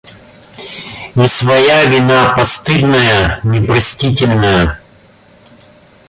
И своя вина, постыдная, непростительная!